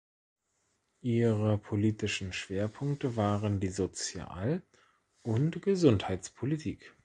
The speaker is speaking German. Ihre politischen Schwerpunkte waren die Sozial- und Gesundheitspolitik.